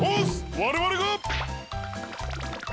われわれが！